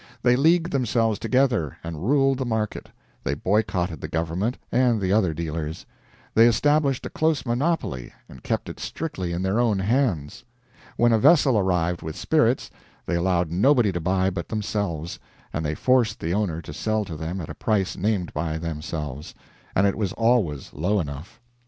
They leagued themselves together and ruled the market; they boycotted the government and the other dealers; they established a close monopoly and kept it strictly in their own hands. When a vessel arrived with spirits, they allowed nobody to buy but themselves, and they forced the owner to sell to them at a price named by themselves and it was always low enough.